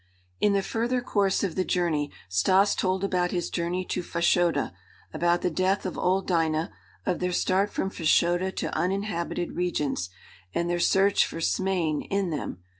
] In the further course of the journey, Stas told about his journey to Fashoda, about the death of old Dinah, of their start from Fashoda to uninhabited regions, and their search for Smain in them.